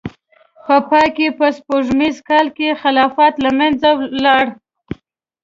په پای کې په سپوږمیز کال کې خلافت له منځه لاړ.